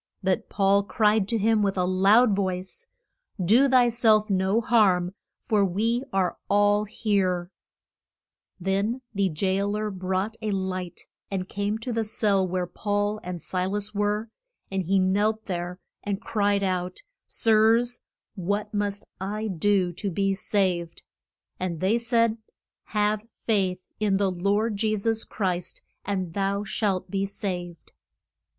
But Paul cried to him with a loud voice, Do thy self no harm, for we are all here. [Illustration: THE CON VER SION OF ST. PAUL.] Then the jail er brought a light, and came to the cell where Paul and Si las were, and he knelt there, and cried out, Sirs, what must I do to be saved? And they said, Have faith in the Lord Je sus Christ, and thou shalt be saved.